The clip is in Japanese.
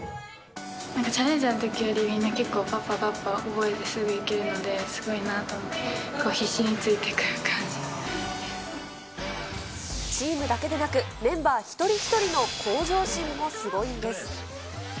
なんかチャレンジャーのときよりみんな結構、ぱっぱぱっぱ覚えて、すぐにいけるのですごいなと思って、チームだけでなく、メンバー一人一人の向上心もすごいんです。